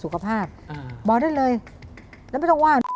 เข้าได้คุยกับท่านอ